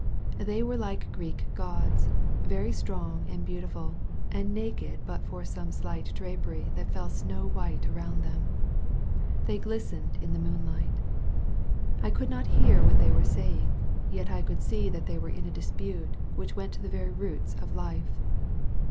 They were like Greek gods, very strong and beautiful, and naked but for some slight drapery that feU snow white around them. They glistened in the moonlight. I could not hear what they were saying; yet I could see that th^ were in a dispute which went to the very roots of life.